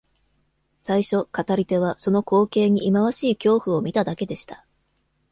最初、語り手はその光景にいまわしい恐怖を見ただけでした。